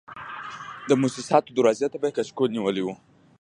د موسساتو دروازې ته به یې کچکول نیولی و.